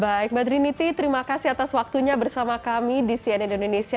baik mbak trinity terima kasih atas waktunya bersama kami di cnn indonesia